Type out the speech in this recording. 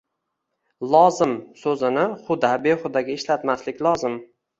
“Lozim” so‘zini huda-behudaga ishlatmaslik lozim.